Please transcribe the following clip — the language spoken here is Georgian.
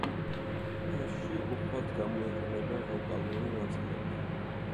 მასში უხვად გამოიყენება ვოკალური ნაწილები.